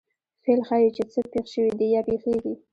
فعل ښيي، چي څه پېښ سوي دي یا پېښېږي.